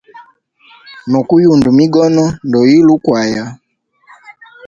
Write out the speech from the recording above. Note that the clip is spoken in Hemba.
No kuyunda migono, ndoyile ukwaya.